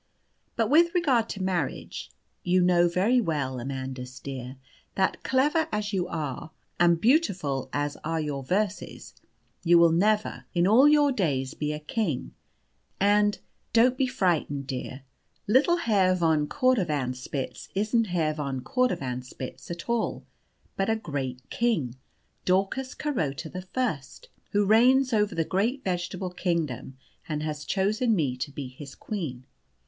But, with regard to marriage, you know very well, Amandus dear, that, clever as you are, and beautiful as are your verses, you will never, in all your days, be a king, and (don't be frightened, dear) little Herr von Cordovanspitz isn't Herr von Cordovanspitz at all, but a great king, Daucus Carota the First, who reigns over the great vegetable kingdom, and has chosen me to be his queen.